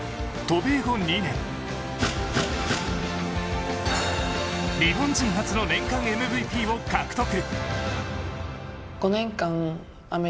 渡米後２年日本人初の年間ＭＶＰを獲得。